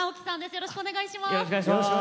よろしくお願いします。